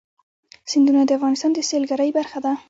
سیندونه د افغانستان د سیلګرۍ برخه ده.